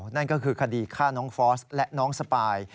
นั่นก็คือคดีฆ่าน้องฟอสและน้องสปาย